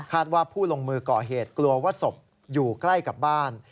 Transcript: ว่าผู้ลงมือก่อเหตุกลัวว่าศพอยู่ใกล้กับบ้าน